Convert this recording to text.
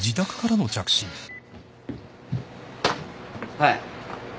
はい。